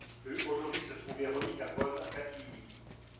peut aujourd’hui se trouver remise en cause en catimini.